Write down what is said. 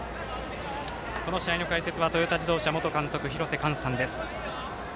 この試合の解説はトヨタ自動車元監督廣瀬寛さんです。